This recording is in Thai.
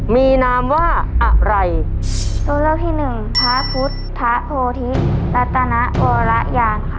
มีนามว่าอะไร